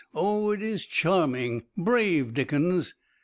Oh, it is charming! Brave Dickens!